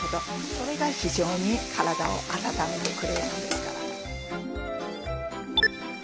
それが非常に体を温めてくれるんですから。